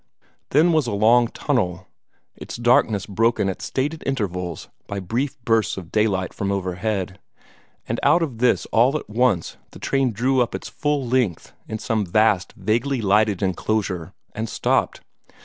Then was a long tunnel, its darkness broken at stated intervals by brief bursts of daylight from overhead, and out of this all at once the train drew up its full length in some vast, vaguely lighted enclosure, and stopped.